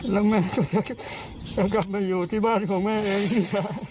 แล้วแม่ก็จะกลับมาอยู่ที่บ้านของแม่เองอีกแล้ว